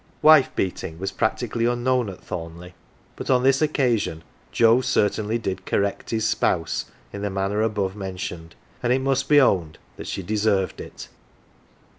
Wife beating was practically unknown at Thomleigh, but on this occasion Joe certainly did correct his spouse in the manner above mentioned, and it must be owned that she deserved it.